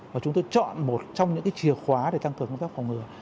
và chúng tôi chọn một trong những chìa khóa để tăng cường công tác phòng ngừa